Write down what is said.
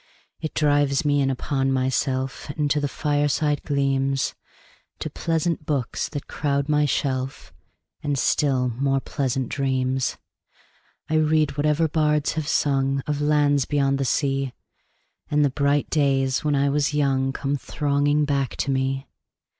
It drives me in upon myself 5 And to the fireside gleams, To pleasant books that crowd my shelf, And still more pleasant dreams. I read whatever bards have sung Of lands beyond the sea, 10 And the bright days when I was young Come thronging back to me.